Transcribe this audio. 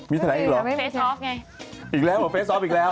มีแถลงอีกหรออีกแล้วเฟสท์ออฟต์อีกแล้ว